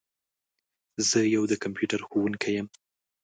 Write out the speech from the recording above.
زه یو د کمپیوټر ښوونکي یم.